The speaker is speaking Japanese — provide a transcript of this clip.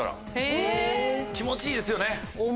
気持ちいいですよね？